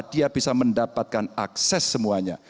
dia bisa mendapatkan akses semuanya